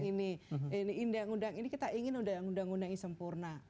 ini undang undang ini kita ingin undang undang ini sempurna